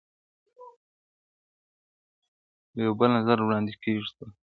يو بل نظر وړلاندي کيږي تل,